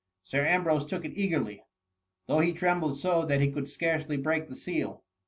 — Sir Ambrose took it eagerly ; though he trem bled so, that he could scarcely break the seal.